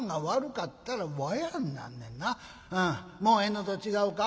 もうええのと違うか？